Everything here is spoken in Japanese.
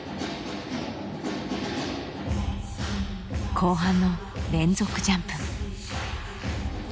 後半の連続ジャンプ。